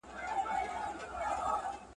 اوربند د امپراتورۍ حالت بدل کړ.